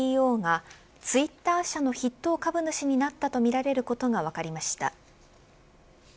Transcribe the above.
ＣＥＯがツイッター社の筆頭株主になったとみられることが分かりました。